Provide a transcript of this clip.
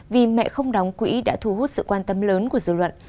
vì mẹ không đóng quỹ đã thu hút sự quan tâm lớn của dư luận